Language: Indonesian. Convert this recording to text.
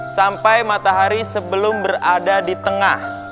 sampai matahari sebelum berada di tengah